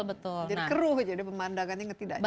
jadi keruh jadi pemandangannya tidak jelas